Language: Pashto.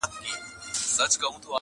له کلي و تښته، له نرخه ئې نه.